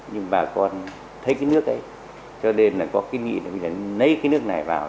nhưng bà con thấy cái nước ấy cho nên là có cái nghĩa là nấy cái nước này vào